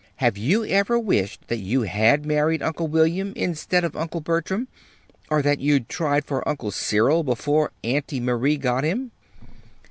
Have you ever wished that you had married Uncle William instead of Uncle Bertram, or that you'd tried for Uncle Cyril before Aunty Marie got him?"